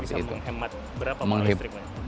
ini bisa menghemat berapa